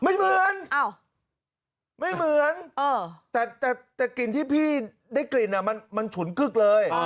ไม่เหมือนไม่เหมือนแต่กลิ่นที่พี่ได้กลิ่นมันฉุนกึ๊กเลย